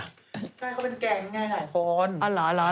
ใช่เขาเป็นแกงง่ายหลายคน